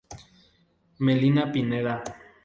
Melina Pineda.